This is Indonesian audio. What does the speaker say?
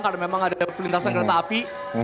karena memang ada perlintasan kereta api